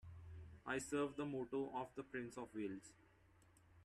I serve the motto of the Prince of Wales